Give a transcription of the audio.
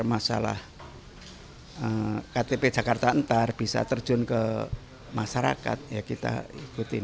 masalah ktp jakarta ntar bisa terjun ke masyarakat ya kita ikutin